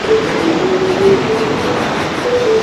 আসলে, সে এটা করেছে।